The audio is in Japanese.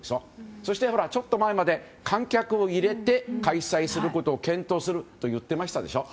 そして、ちょっと前まで観客を入れて開催することを検討すると言ってましたでしょ。